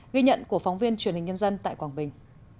ghi nhận của phóng viên truyền hình nhân dân tại quảng bình